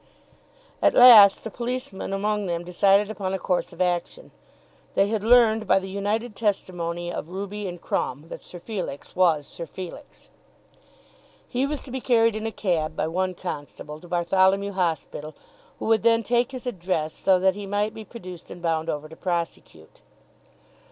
At last the policemen among them decided upon a course of action. They had learned by the united testimony of Ruby and Crumb that Sir Felix was Sir Felix. He was to be carried in a cab by one constable to Bartholomew Hospital, who would then take his address so that he might be produced and bound over to prosecute.